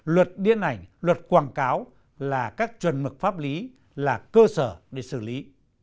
luật điện ảnh luật quảng cáo là các chuẩn mực pháp lý là cơ sở để xử lý